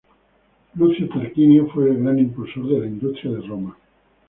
Lucio Tarquinio fue el gran impulsor de la industria de Roma.